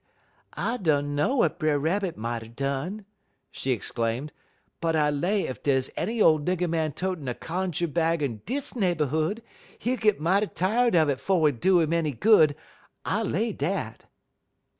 "I dunner what Brer Rabbit mout er done," she exclaimed; "but I lay ef dey's any ole nigger man totin' a cunjer bag in dis neighborhood, he'll git mighty tired un it 'fo' it do 'im any good I lay dat!"